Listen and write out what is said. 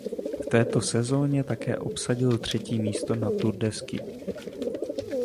V této sezóně také obsadil třetí místo na Tour de Ski.